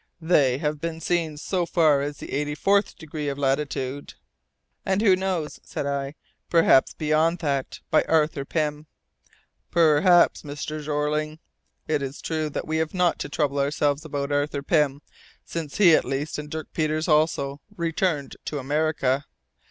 They have been seen so far as the eighty fourth degree of latitude " "And who knows," said I, "perhaps beyond that, by Arthur Pym." "Perhaps, Mr. Jeorling. It is true that we have not to trouble ourselves about Arthur Pym, since he, at least, and Dirk Peters also, returned to America."